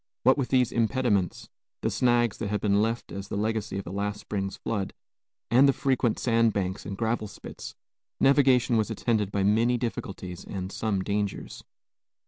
What with these impediments, the snags that had been left as the legacy of last spring's flood, and the frequent sand banks and gravel spits, navigation was attended by many difficulties and some dangers.